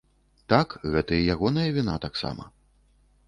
Так, гэта і ягоная віна таксама.